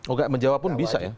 enggak menjawab pun bisa ya